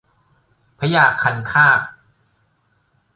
พญาคันคาก